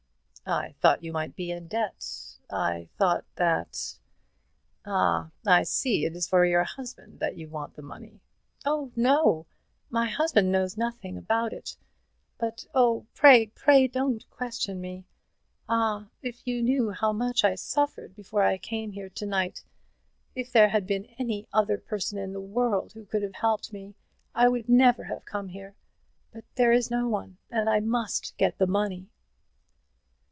"I thought you might be in debt. I thought that Ah, I see; it is for your husband that you want the money." "Oh no; my husband knows nothing about it. But, oh, pray, pray don't question me. Ah, if you knew how much I suffered before I came here to night! If there had been any other person in the world who could have helped me, I would never have come here; but there is no one, and I must get the money."